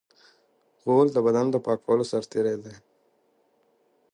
غول د بدن د پاکولو سرتېری دی.